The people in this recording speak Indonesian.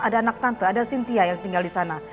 ada anak tante ada cynthia yang tinggal disana